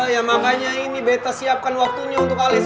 ya makanya ini beta siapkan waktunya untuk alis